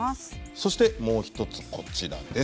そしてもう一つこちらです。